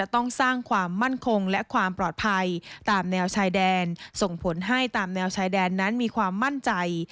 ตามแนวชายแดนส่งผลให้ตามแนวชายแดนนั้นมีความมั่นใจ